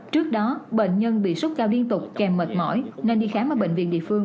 trước đó bệnh nhân bị sốt cao liên tục kèm mệt mỏi nên đi khám ở bệnh viện địa phương